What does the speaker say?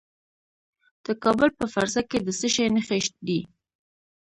د کابل په فرزه کې د څه شي نښې دي؟